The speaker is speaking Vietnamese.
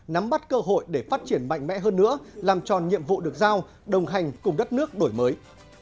nắm bắt cơ hội để phát triển mạnh mẽ hơn nữa làm tròn nhiệm vụ được giao đồng hành cùng đất nước đổi mới